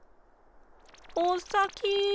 おっさき。